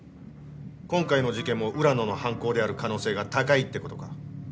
今回の事件も浦野の犯行である可能性が高いってことか？